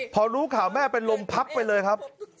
พอรู้ข่าวแม่เป็นลมพับไปเลยครับ